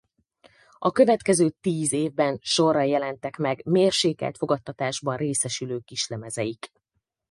A következő tíz évben sorra jelentek meg mérsékelt fogadtatásban részesülő kislemezeik.